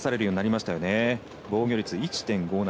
防御率１．５７。